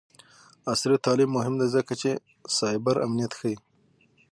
عصري تعلیم مهم دی ځکه چې سایبر امنیت ښيي.